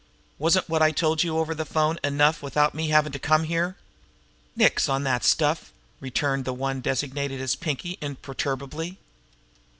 Wasn't what I told you over the phone enough without me havin' to come here?" "Nix on that stuff!" returned the one designated as Pinkie imperturbably.